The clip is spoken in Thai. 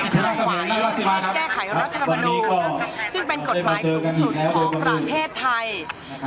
เคลื่อนไหวแก้ไขรัฐธรรมนูลซึ่งเป็นกฎหมายสูงสุดของประเทศไทย